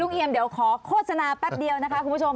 เอียมเดี๋ยวขอโฆษณาแป๊บเดียวนะคะคุณผู้ชม